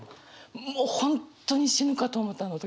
もう本当に死ぬかと思ったあの時。